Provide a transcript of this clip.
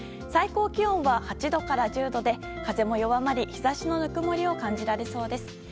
最高気温は８度から１０度で風も弱まり、日差しの温もりを感じられそうです。